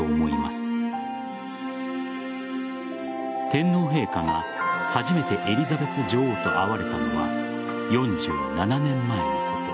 天皇陛下が初めてエリザベス女王と会われたのは４７年前のこと。